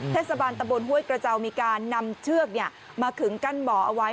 เทศบาลตะบนห้วยกระเจ้ามีการนำเชือกมาขึงกั้นบ่อเอาไว้